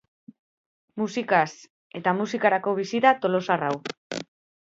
Musikaz eta musikarako bizi da tolosar hau.